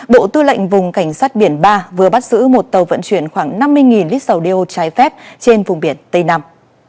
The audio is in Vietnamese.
bộ tư lệnh vùng cảnh sát biển ba vừa bắt giữ một tàu vận chuyển khoảng năm mươi lít dầu đeo trái phép trên vùng biển tây nam